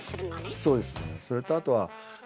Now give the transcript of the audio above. そうです。